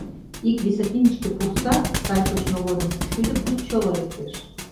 Ик десятиныште пурса, сай шочмо годым, шӱдӧ пуд чоло лектеш.